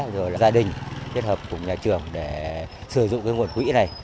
rồi gia đình kết hợp cùng nhà trường để sử dụng nguồn quỹ này